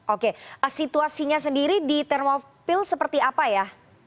oke situasinya sendiri di ternopil seperti apa ya